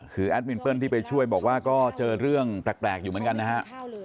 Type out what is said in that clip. คือแอดมินเปิ้ลที่ไปช่วยบอกว่าก็เจอเรื่องแปลกอยู่เหมือนกันนะฮะ